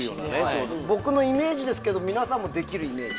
僕のイメージですけど皆さんもできるイメージ。